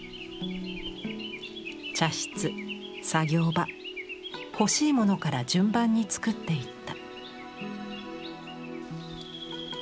茶室作業場欲しいものから順番につくっていった。